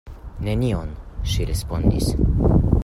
"Nenion," ŝi respondis.